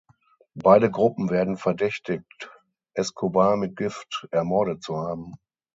Beide Gruppen werden verdächtigt Escobar mit Gift ermordet zu haben.